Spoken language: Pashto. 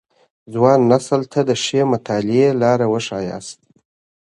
ځوان نسل ته د ښې مطالعې لاره وښاياست.